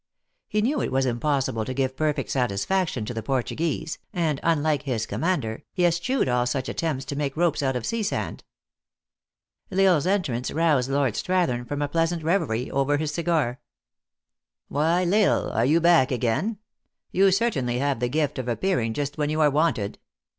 He knew it was impossible to give perfect satisfaction to the Portuguese, and unlike his commander, he eschewed all such attempts to make ropes out of sea sand. L lsle s entrance roused Lord Strathern from a pleasant reverie over his cigar. " Why, L Isle ! are you back again ? You cer tainly have the gift of appearing just when you are wanted.